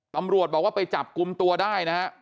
ตำรวจบอกว่าไปจับกลุ่มตัวได้นะฮะ